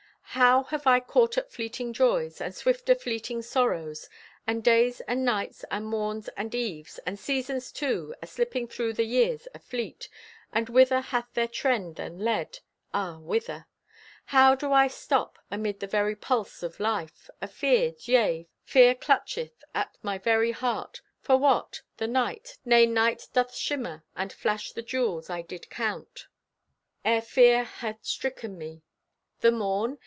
How have I caught at fleeting joys And swifter fleeting sorrows! And days and nights, and morns and eves, And seasons, too, aslipping thro' the years, afleet. And whither hath their trend then led? Ah, whither! How do I to stop amid the very pulse o' life. Afeared! Yea, fear clutcheth at my very heart! For what? The night? Nay, night doth shimmer And flash the jewels I did count E'er fear had stricken me. The morn?